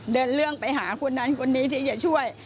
เดินเรื่องไปหาคนนั้นคนนี้ที่จะช่วย